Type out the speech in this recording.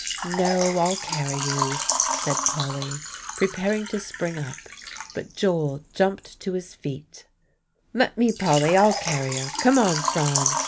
"No, I'll carry you," said Polly, preparing to spring up; but Joel jumped to his feet, "Let me, Polly; I'll carry her. Come on, Phron."